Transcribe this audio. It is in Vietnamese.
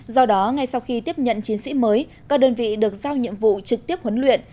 do đó ngay sau khi tiếp nhận chiến sĩ mới các đơn vị được giao nhiệm vụ trực tiếp huấn luyện